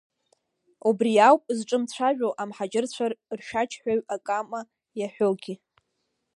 Убри ауп, зҿы мцәажәо, амҳаџьырцәа ршәаџьҳәаҩ акама иаҳәогьы.